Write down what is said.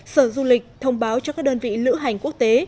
sở du lịch thông báo cho các đơn vị lữ hành quốc tế